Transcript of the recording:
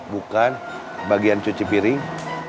bukan bagian cuci piring